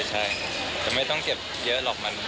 ใช่แต่ไม่ต้องเจ็บเยอะหรอก